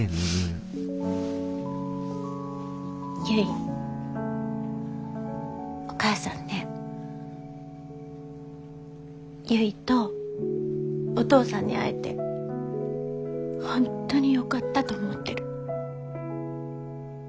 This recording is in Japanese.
結お母さんね結とお父さんに会えて本当によかったと思ってる。